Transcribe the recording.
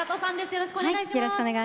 よろしくお願いします。